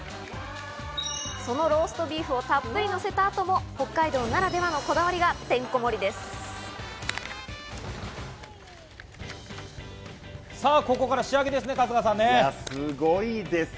そのローストビーフをたっぷりのせた後も北海道ならではのこだわりがてんこ盛りです。